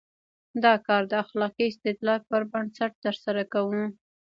دا کار د اخلاقي استدلال پر بنسټ ترسره کوو.